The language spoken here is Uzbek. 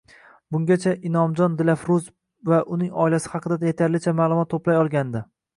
Bungacha Inomjon Dilafruz va uning oilasi haqida etarlicha ma`lumot to`play olgandi